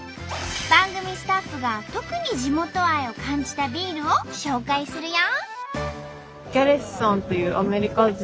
番組スタッフが特に地元愛を感じたビールを紹介するよ！